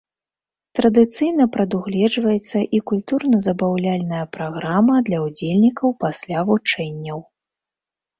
Традыцыйна прадугледжваецца і культурна-забаўляльная праграма для ўдзельнікаў пасля вучэнняў.